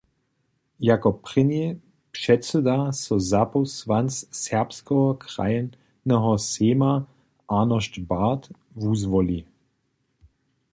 Jako prěni předsyda so zapósłanc Sakskeho krajneho sejma Arnošt Bart wuzwoli.